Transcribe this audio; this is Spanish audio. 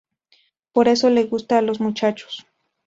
Por eso le gusta a los muchachos.